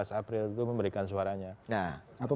tujuh belas april itu memberikan suaranya nah atau